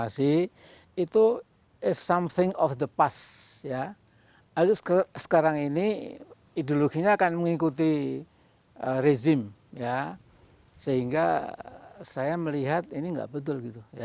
saya ingin mengikuti rezim sehingga saya melihat ini tidak betul